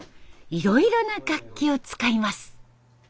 いろいろな楽器を使います。